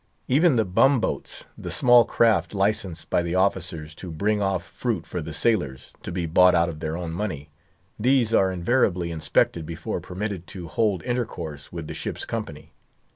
Even the bum boats, the small craft licensed by the officers to bring off fruit for the sailors, to be bought out of their own money—these are invariably inspected before permitted to hold intercourse with the ship's company.